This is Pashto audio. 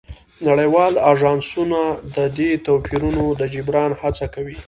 نړیوال اژانسونه د دې توپیرونو د جبران هڅه کوي